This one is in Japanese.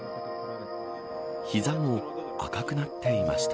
膝も赤くなっていました。